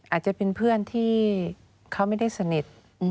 อาจจะเป็นเพื่อนที่เขาไม่ได้สนิท